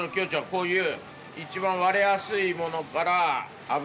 こういう。